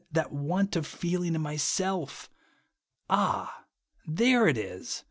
that want of feeling in myself ! Ah, there it is !